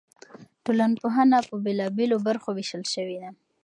ټولنپوهنه په بېلابېلو برخو ویشل شوې ده.